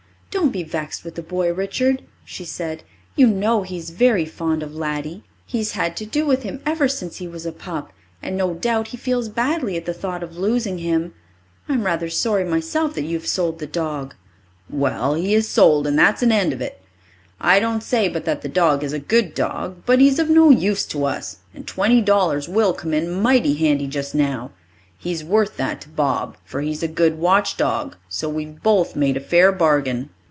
"Don't be vexed with the boy, Richard," she said. "You know he is very fond of Laddie. He's had to do with him ever since he was a pup, and no doubt he feels badly at the thought of losing him. I'm rather sorry myself that you have sold the dog." "Well, he is sold and there's an end of it. I don't say but that the dog is a good dog. But he is of no use to us, and twenty dollars will come in mighty handy just now. He's worth that to Bob, for he is a good watch dog, so we've both made a fair bargain."